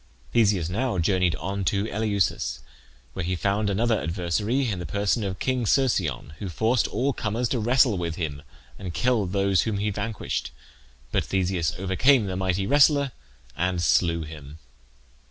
Theseus now journeyed on to Eleusis, where he found another adversary in the person of King Cercyon, who forced all comers to wrestle with him, and killed those whom he vanquished; but Theseus overcame the mighty wrestler and slew him.